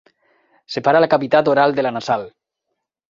Separa la cavitat oral de la nasal.